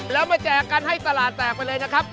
แล้วมาแจกกันให้ตลาดแตกไปเลยนะครับ